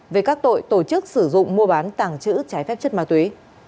về các tội tổ chức sử dụng mua bán tảng chữ trái phép chất ma túy